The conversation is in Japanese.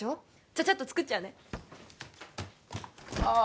ちゃちゃっと作っちゃうねあ